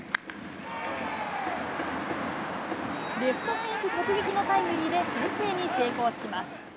レフトフェンス直撃のタイムリーで先制に成功します。